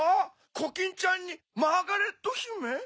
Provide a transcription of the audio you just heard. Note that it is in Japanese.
コキンちゃんにマーガレットひめ？